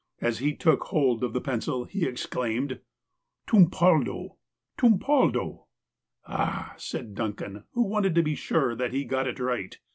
As he took hold of the pencil he exclaimed :*' Tumpaldo ! tumpaldo !"" Ah," said Duncan, who wanted to be sure that he had got it right.